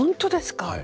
はい。